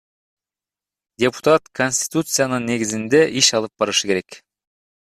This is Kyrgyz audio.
Депутат Конституциянын негизинде иш алып барышы керек.